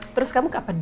terus kamu kapan g